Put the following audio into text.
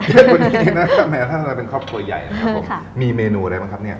เยอะกว่านี้นะครับแม้ว่าถ้าเราเป็นครอบครัวใหญ่นะครับผมมีเมนูอะไรบ้างครับ